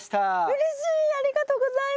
うれしい！